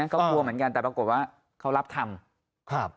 ก็กลัวเหมือนกันแต่ปรากฏว่าเขารับทำ